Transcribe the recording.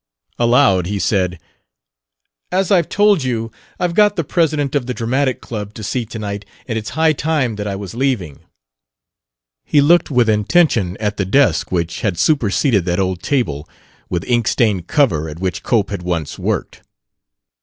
Aloud he said: "As I've told you, I've got the president of the dramatic club to see tonight, and it's high time that I was leaving." He looked with intention at the desk which had superseded that old table, with ink stained cover, at which Cope had once worked.